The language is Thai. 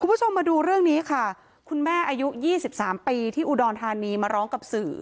คุณผู้ชมมาดูเรื่องนี้ค่ะคุณแม่อายุ๒๓ปีที่อุดรธานีมาร้องกับสื่อ